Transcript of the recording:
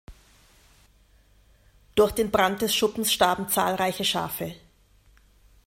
Durch den Brand des Schuppens starben zahlreiche Schafe.